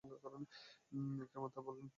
ইকরামা তা বললেন।